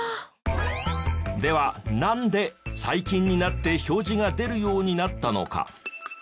ではなんで最近になって表示が出るようになったのか。